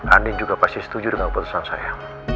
andin juga pasti setuju dengan keputusan saya